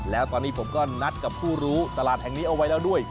แล้วตอนนี้ผมก็นัดกับผู้รู้ตลาดแห่งนี้เอาไว้แล้วด้วย